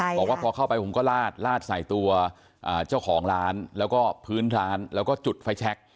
บอกว่าพอเข้าไปผมก็ลาดลาดใส่ตัวเจ้าของร้านแล้วก็พื้นร้านแล้วก็จุดไฟแชค